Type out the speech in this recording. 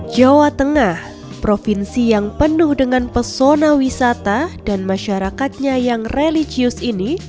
jawa tengah provinsi yang penuh dengan pesona wisata dan masyarakatnya yang religius ini